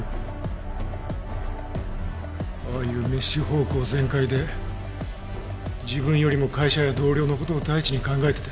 ああいう滅私奉公全開で自分よりも会社や同僚の事を第一に考えてて。